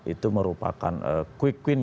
itu merupakan quick win